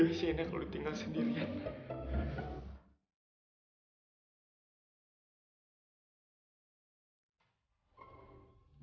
kasiannya kalau tinggal sendirian